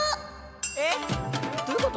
えっどういうこと？